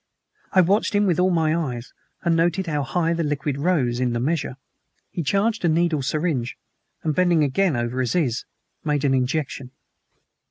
I watched him with all my eyes, and noted how high the liquid rose in the measure. He charged a needle syringe, and, bending again over Aziz, made an injection.